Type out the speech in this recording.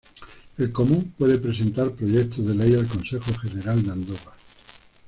El "comú" puede presentar proyectos de ley al Consejo General de Andorra.